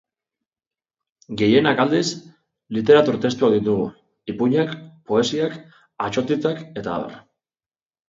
Gehienak, aldiz, literatur testuak ditugu, ipuinak, poesiak, atsotitzak eta abar.